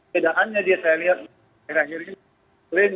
bedaannya dia saya lihat akhir akhir ini